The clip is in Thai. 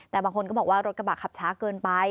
แต่บางคนก็บอกว่ารถกระบะขับช้าเกินไป